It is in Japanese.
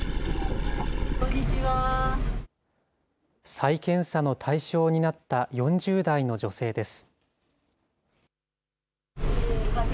再検査の対象になった４０代の女性です。